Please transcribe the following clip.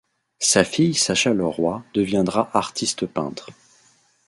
Sa fille Sacha Leroy deviendra artiste peintre.